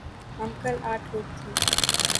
ہم کل آٹھ لوگ تھے ۔